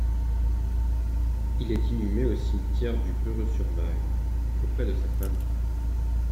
Il est inhumé au cimetière du Perreux-sur-Marne, auprès de sa femme.